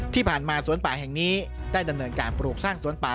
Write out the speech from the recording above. ที่ผ่านมาสวนป่าแห่งนี้ได้ดำเนินการปลูกสร้างสวนป่า